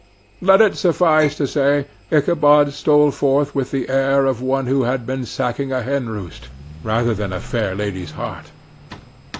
Let it suffice to say, Ichabod stole forth with the air of one who had been sacking a henroost, rather than a fair lady's heart.